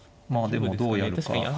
まあでもどうやるか。